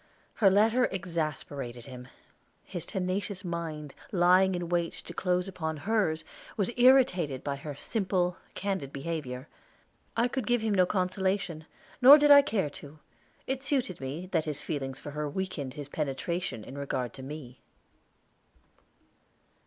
Her letter exasperated him. His tenacious mind, lying in wait to close upon hers, was irritated by her simple, candid behavior. I could give him no consolation, nor did I care to. It suited me that his feelings for her weakened his penetration in regard to me.